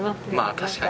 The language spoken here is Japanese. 確かに。